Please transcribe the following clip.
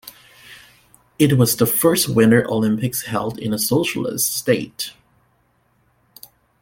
It was the first Winter Olympics held in a socialist state.